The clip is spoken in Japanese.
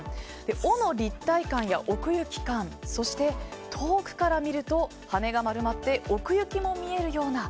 尾の立体感や奥行き感、そして遠くから見ると羽が丸まって奥行きも見えるような。